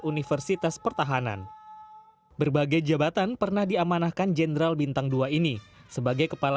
universitas pertahanan berbagai jabatan pernah diamanahkan jenderal bintang dua ini sebagai kepala